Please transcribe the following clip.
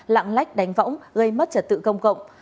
lạng lách đánh võng gây mất trật tự công cộng